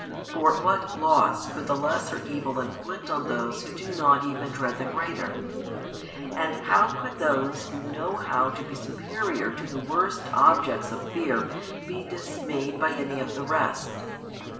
For what loss could the lesser evil inflict on those who do not even dread the greater? And how could those who know how to be superior to the worst objects of fear be dismayed by any of the rest?